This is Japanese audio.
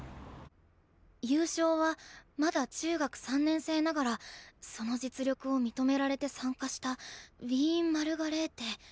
「優勝はまだ中学３年生ながらその実力を認められて参加したウィーン・マルガレーテ」。